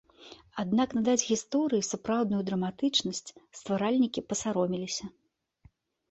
Аднак надаць гісторыі сапраўдную драматычнасць стваральнікі пасаромеліся.